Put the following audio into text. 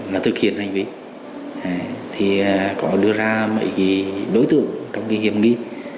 và thực hiện hành vi thì có đưa ra mấy cái đối tượng trong cái hiểm nghi